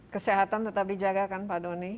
kesehatan tetap dijaga kan pak doni